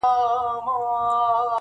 خو بڼه يې بدله سوې ده,